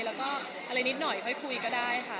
แล้วก็อะไรนิดหน่อยค่อยคุยก็ได้ค่ะ